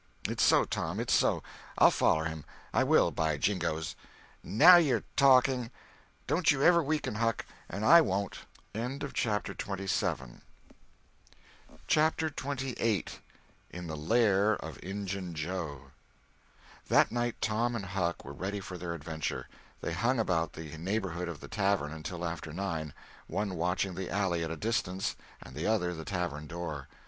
"It's so, Tom, it's so. I'll foller him; I will, by jingoes!" "Now you're talking! Don't you ever weaken, Huck, and I won't." CHAPTER XXVIII THAT night Tom and Huck were ready for their adventure. They hung about the neighborhood of the tavern until after nine, one watching the alley at a distance and the other the tavern door.